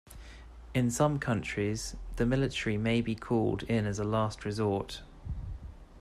In some countries, the military may be called in as a last resort.